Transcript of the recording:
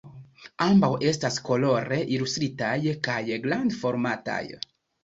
Ambaŭ estas kolore ilustritaj kaj grandformataj.